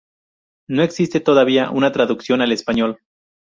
No existe todavía una traducción al español.